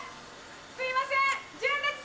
すいません。